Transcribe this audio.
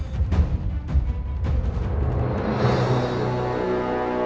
untuk itu kita harus mencari